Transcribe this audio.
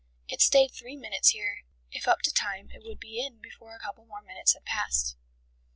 It stayed three minutes here: if up to time it would be in before a couple more minutes had passed.